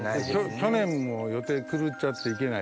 去年も予定狂っちゃって行けない。